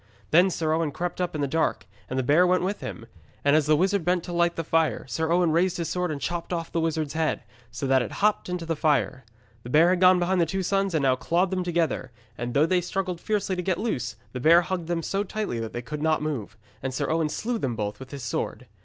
Then Sir Owen crept up in the dark, and the bear went with him. And as the wizard bent to light the fire, Sir Owen raised his sword and chopped off the wizard's head, so that it hopped into the fire. The bear had gone behind the two sons and now clawed them together, and though they struggled fiercely to get loose, the bear hugged them so tightly that they could not move. And Sir Owen slew them both with his sword.